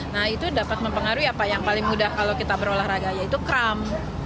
nah itu dapat mempengaruhi apa yang paling mudah kalau kita berolahraga yaitu kram